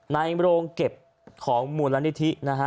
ในโรงเก็บของมูลละนิทิ